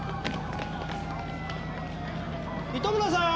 糸村さーん！